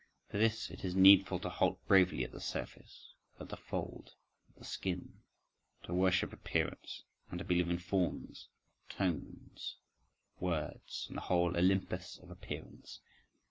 _ For this it is needful to halt bravely at the surface, at the fold, at the skin, to worship appearance, and to believe in forms, tones, words, and the whole Olympus of appearance!